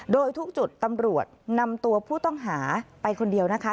โดยทุกจุดตำรวจนำตัวผู้ต้องหาไปคนเดียวนะคะ